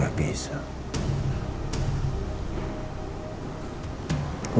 saya dia rather banget avior